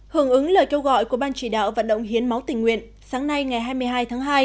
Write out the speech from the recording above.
hưởng ứng lời kêu gọi của ban chỉ đạo vận động hiến máu tình nguyện sáng nay ngày hai mươi hai tháng hai